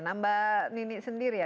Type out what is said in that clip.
nah mbak nini sendiri ya